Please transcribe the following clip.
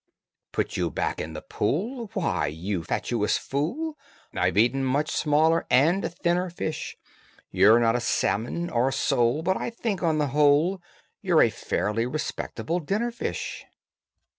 Put you back in the pool? Why, you fatuous fool, I have eaten much smaller and thinner fish. You're not salmon or sole, but I think, on the whole, You're a fairly respectable dinner fish."